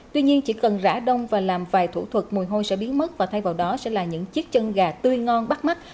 tuy nhiên chỉ cần rã đông và làm vài thủ thuật mùi hôi sẽ biến mất và thay vào đó sẽ là những chiếc chân gà tươi ngon bắt mắt